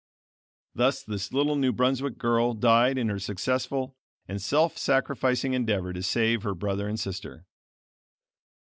Thus this little New Brunswick girl died in her successful and self sacrificing endeavor to save her brother and sister.